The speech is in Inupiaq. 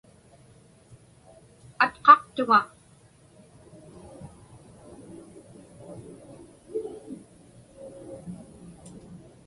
Atqaqtuŋa.